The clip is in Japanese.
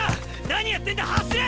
何やってんだ走れ！